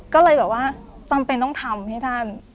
ก็เลยแบบว่าจำเป็นต้องทำให้ท่าน